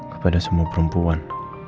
kepada semua perempuan